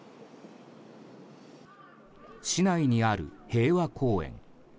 市内にある平和公園。